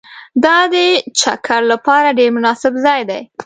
دا د چکر لپاره ډېر مناسب ځای دی